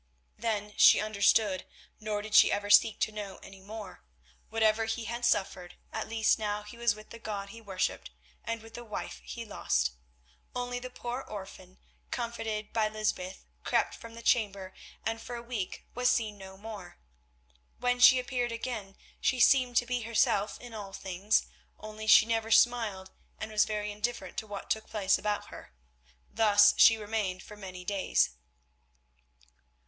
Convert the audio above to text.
Then she understood, nor did she ever seek to know any more. Whatever he had suffered, at least now he was with the God he worshipped, and with the wife he lost. Only the poor orphan, comforted by Lysbeth, crept from the chamber, and for a week was seen no more. When she appeared again she seemed to be herself in all things, only she never smiled and was very indifferent to what took place about her. Thus she remained for many days.